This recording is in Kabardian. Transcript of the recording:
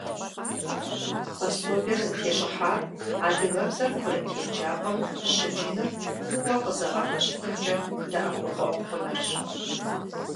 Пособиер зытещӀыхьар адыгэбзэр курыт еджапӀэм щыджыныр кууэ къызэгъэпэщынымкӀэ дэӀэпыкъуэгъу хъунырщ.